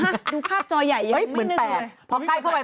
ดูภาพจอใหญ่ยังไม่เห็นเลย